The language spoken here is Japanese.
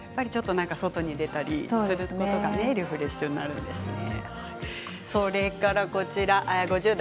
外に出たりするのがリフレッシュになるんですね。